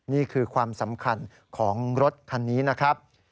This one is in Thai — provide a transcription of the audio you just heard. นี่คือความสำคัญของรถคันนี้นะครับ